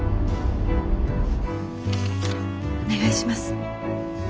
お願いします。